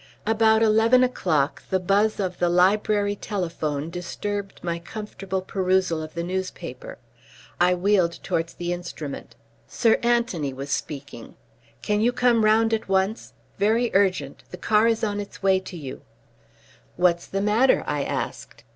About eleven o'clock the buzz of the library telephone disturbed my comfortable perusal of the newspaper. I wheeled towards the instrument. Sir Anthony was speaking. "Can you come round at once? Very urgent. The car is on its way to you." "What's the matter?" I asked.